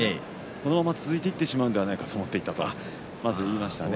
このまま続いていってしまうのではないかと思っていたとまず話しましたね。